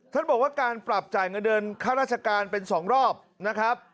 ท่านบอกว่าการปรับจ่ายเงินเดือนค่าราชการเป็น๒รอบนะครับ